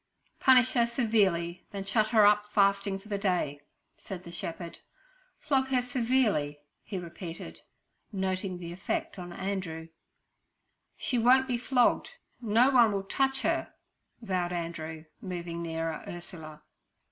'Punish her severely, then shut her up fasting for the day' said the shepherd. 'Flog her severely' he repeated, noting the effect on Andrew. 'She won't be flogged. No one will touch her' vowed Andrew, moving nearer Ursula.